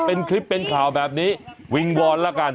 เป็นคลิปเป็นข่าวแบบนี้วิงวอนแล้วกัน